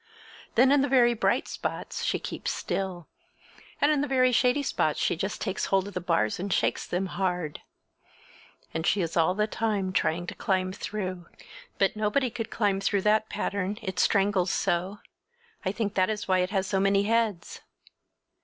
Then in the very bright spots she keeps still, and in the very shady spots she just takes hold of the bars and shakes them hard. And she is all the time trying to climb through. But nobody could climb through that pattern—it strangles so; I think that is why it has so many heads.